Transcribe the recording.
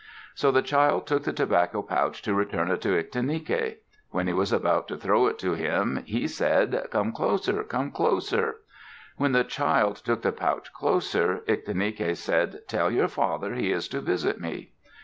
So the child took the tobacco pouch to return it to Ictinike. When he was about to throw it to him, he said, "Come closer! Come closer!" When the child took the pouch closer, Ictinike said, "Tell your father he is to visit me."